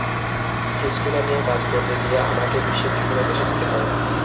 Fistula নিয়ে কাজ করতে গিয়ে আমাকে বিশ্বের বিভিন্ন দেশে যেতে হয়।